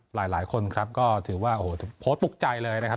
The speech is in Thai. หลายคนครับก็ถือว่าโอ้โหโพสต์ปลุกใจเลยนะครับ